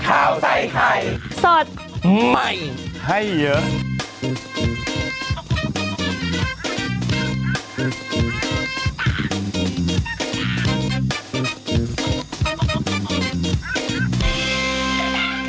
ข้าวใส่ไข่สดใหม่ให้เยอะ